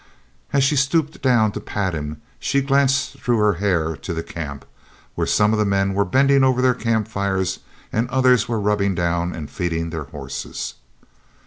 As she stooped down to pat him she glanced through her hair to the camp, where some of the men were bending over their camp fires and others were rubbing down and feeding their horses.